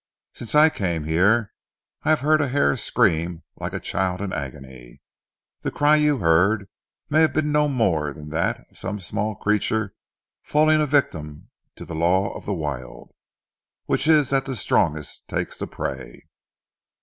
"Since I came here I have heard a hare scream like a child in agony. The cry you heard may have been no more than that of some small creature falling a victim to the law of the wild, which is that the strongest takes the prey."